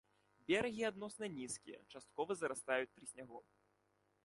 Берагі адносна нізкія, часткова зарастаюць трыснягом.